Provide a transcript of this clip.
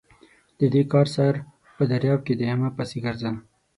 د دې کار سر په درياب کې دی؛ مه پسې ګرځه!